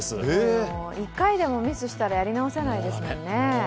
一回でもミスしたらやり直せないですもんね。